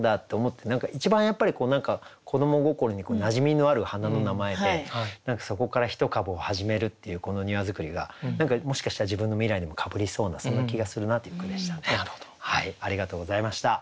一番やっぱり何か子ども心になじみのある花の名前で何かそこから一株を始めるっていうこの「庭造り」が何かもしかしたら自分の未来にもかぶりそうなそんな気がするなっていう句でしたね。